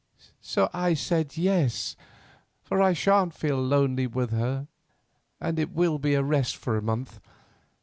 So I said yes, for I shan't feel lonely with her, and it will be a rest for a month.